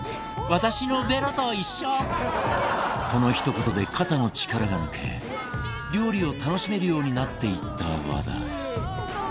このひと言で肩の力が抜け料理を楽しめるようになっていった和田